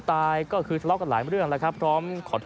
หลายเรื่องครับเรื่องพวก